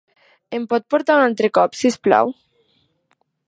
Em pot portar un altre cop, si us plau?